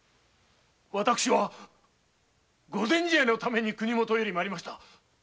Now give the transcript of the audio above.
私は御前試合のために国元より参りました。